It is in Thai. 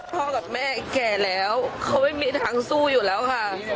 กับแม่แก่แล้วเขาไม่มีทางสู้อยู่แล้วค่ะ